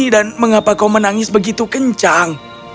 mengapa kau menangis begitu kencang